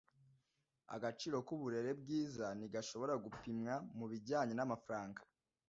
Agaciro k'uburere bwiza ntigashobora gupimwa mubijyanye n'amafaranga.